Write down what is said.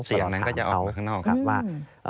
เสียงนั้นก็จะออกไปข้างนอก